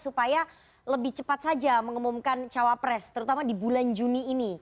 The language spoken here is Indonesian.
supaya lebih cepat saja mengumumkan cawapres terutama di bulan juni ini